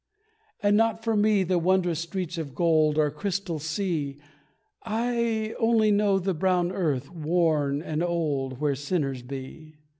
And not for me the wondrous streets of gold Or crystal sea I only know the brown earth, worn and old, Where sinners be.